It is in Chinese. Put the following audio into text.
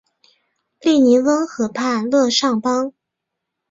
利尼翁河畔勒尚邦。